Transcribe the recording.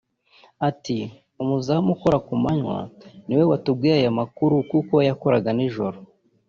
Ati “Umuzamu ukora ku manywa niwe watubwiye ayo makuru kuko we yakoraga nijoro